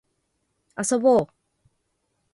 遊ぼう